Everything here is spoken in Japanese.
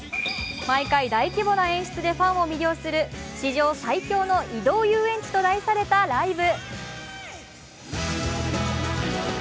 毎回、大規模な演出でファンを魅了する、史上最強の移動遊園地と題されたライブ。